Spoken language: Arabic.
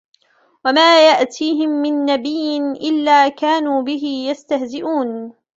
وَمَا يَأْتِيهِمْ مِنْ نَبِيٍّ إِلَّا كَانُوا بِهِ يَسْتَهْزِئُونَ